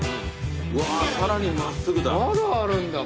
うわーさらに真っすぐだ。